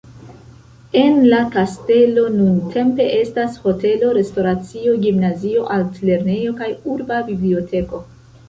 En la kastelo nuntempe estas hotelo, restoracio, gimnazio, artlernejo kaj urba biblioteko.